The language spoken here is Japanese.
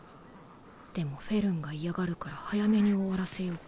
でもフェルンが嫌がるから早めに終わらせようか。